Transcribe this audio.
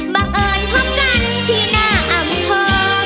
บังเอิญพบกันที่หน้าอำเภอ